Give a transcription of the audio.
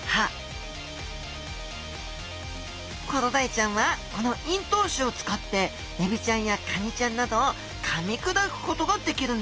コロダイちゃんはこの咽頭歯を使ってエビちゃんやカニちゃんなどをかみ砕くことができるんです。